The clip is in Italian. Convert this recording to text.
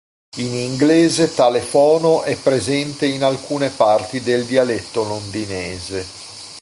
In inglese tale fono è presente in alcune parti del dialetto londinese.